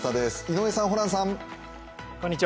井上さん、ホランさん。